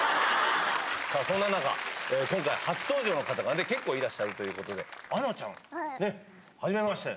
さあ、そんな中、今回初登場の方が結構いらっしゃるということで、あのちゃん、はじめまして。